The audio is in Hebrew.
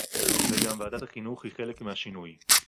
וגם ועדת החינוך היא חלק מהשינוי